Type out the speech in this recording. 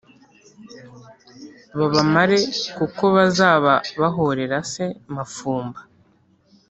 babamare kuko bazaba bahorera se mafumba."